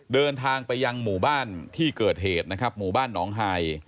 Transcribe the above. เดินทางไปยังหมู่บ้านที่เกิดเหตุนะครับหมู่บ้านหนองไฮ